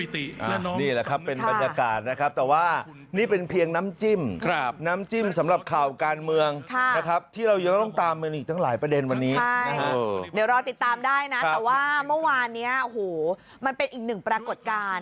แต่ว่าเมื่อวานมันเป็นอีกหนึ่งปรากฏการณ์